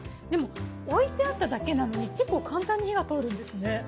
でも置いてあっただけなのに結構簡単に火が通るんですね。